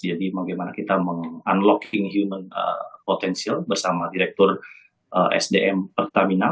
jadi bagaimana kita mengunlocking human potential bersama direktur sdm pertamina